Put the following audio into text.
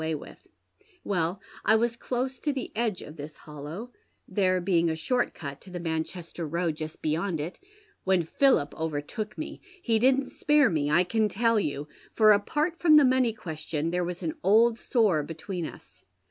away witli. Well, I was close to the edge of this hollow — there being a short cut to the Manchester road just beyond it — when Philip overtook me. He didn't spare me, I can tell you, for, apart from the money question, there was an old sore between us.